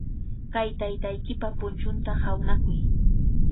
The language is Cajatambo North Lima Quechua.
Kay taytaykipa punchunta hawnakuy.